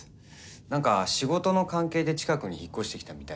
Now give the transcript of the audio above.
何か仕事の関係で近くに引っ越してきたみたいで。